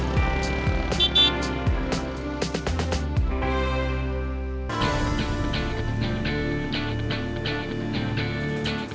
masjid enggak mau doang